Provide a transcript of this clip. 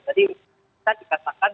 jadi bisa dikatakan